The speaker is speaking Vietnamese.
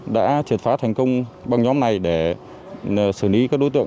đã triệt phá thành công băng nhóm này để xử lý các đối tượng